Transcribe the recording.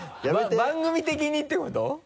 番組的にってこと？